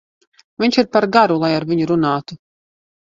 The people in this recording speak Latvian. Viņš ir par garu, lai ar viņu runātu.